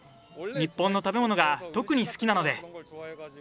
日本の食べ物が特に好きなので。